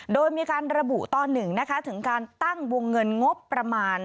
โดยมีการระบุตอน๑นะคะถึงการตั้งวงเงินงบประมาณ